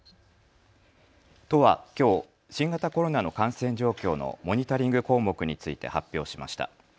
都はきょう新型コロナの感染状況のモニタリング項目について発表しました。